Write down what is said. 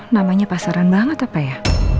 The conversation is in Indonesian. namanya pasaran banget apa ya